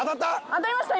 当たりました！？